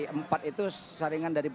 empat itu saringan dari